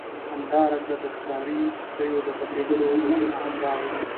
همدارنګه د ښکاري سپیو د غپیدلو غږونه هم راغلل